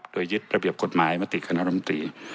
โดยยึดระเบียบกฎหมายมติคณะรมตรี